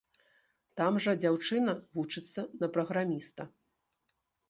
Там жа дзяўчына вучыцца на праграміста.